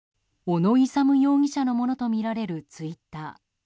小野勇容疑者のものとみられるツイッター。